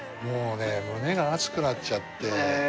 もうね胸が熱くなっちゃって。